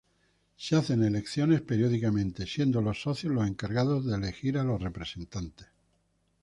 Se hacen elecciones periódicamente, siendo los socios los encargados de elegir a los representantes.